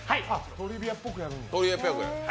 「トリビア」っぽくやる。